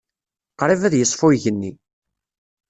Qrib ad yeṣfu yigenni.